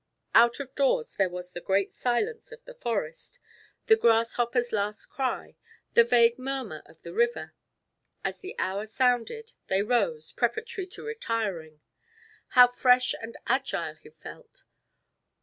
Out of doors there was the great silence of the forest, the grasshopper's last cry, the vague murmur of the river. As the hour sounded, they rose, preparatory to retiring. How fresh and agile he felt!